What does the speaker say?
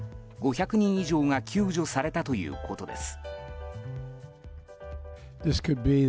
５００人以上が救助されたということです。